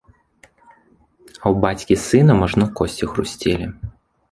А ў бацькі з сынам ажно косці хрусцелі.